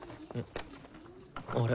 あれ？